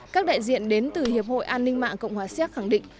các đại diện đến từ hiệp hội an ninh mạng cộng hòa xéc khẳng định